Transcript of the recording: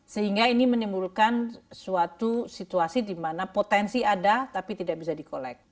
sehingga ini menimbulkan suatu situasi di mana potensi ada tapi tidak bisa di collect